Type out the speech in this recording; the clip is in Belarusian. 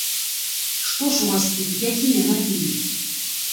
Што ж у вас тут, якія навіны?